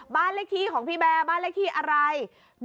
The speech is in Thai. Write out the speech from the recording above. บ้านเลขที่ของพี่แบร์บ้านเลขที่อะไร